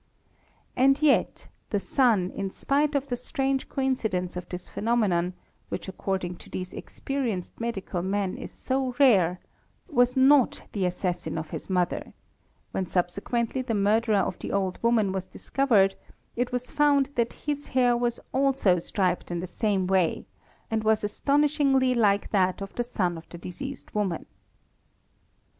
And yet the son in spite of the strange coincidence of this phenomenon, which according to these experienced medical men is so rare, was not the assassin of his mother; when subsequently the) murderer of the old woman was discovered it was found that his hair we also striped in the same way and was astonishingly like that of the soi of the deceased woman.